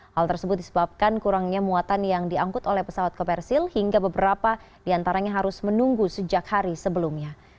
hal tersebut disebabkan kurangnya muatan yang diangkut oleh pesawat komersil hingga beberapa diantaranya harus menunggu sejak hari sebelumnya